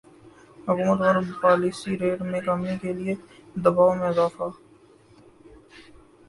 حکومت پر policy rate میں کمی کے لیے دبائو میں اضافہ